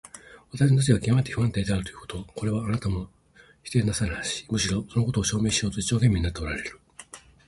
私の立場がきわめて不安定であるということ、これはあなたも否定なさらないし、むしろそのことを証明しようと一生懸命になっておられる。